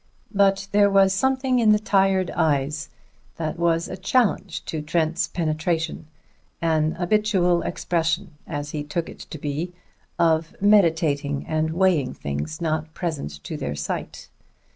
But there was something in the tired eyes that was a challenge to Trent's penetration; an habitual expression, as he took it to be, of meditating and weighing things not present to their sight.